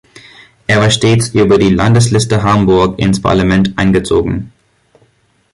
Er war stets über die Landesliste Hamburg ins Parlament eingezogen.